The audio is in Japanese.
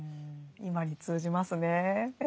今に通じますね。